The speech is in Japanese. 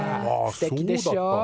すてきでしょ？